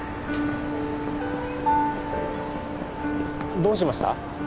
どうしました？